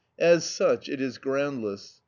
As such, it is groundless, _i.